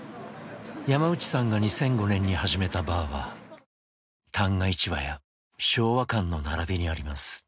山内さんが２００５年に始めたバーは旦過市場や昭和館の並びにあります。